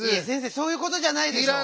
そういうことじゃないでしょう！